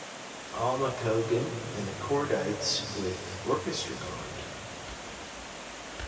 Alma Cogan and The Kordites with orchestra cond.